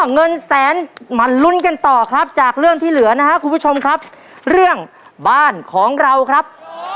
เงินแสนมาลุ้นกันต่อครับจากเรื่องที่เหลือนะครับคุณผู้ชมครับเรื่องบ้านของเราครับ